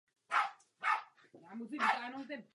Ženat byl dvakrát.